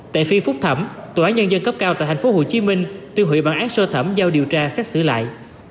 tại phi phúc thẩm tòa án nhân dân cấp cao tại tp hcm tiêu hủy bản án sơ thẩm giao điều tra xét xử lại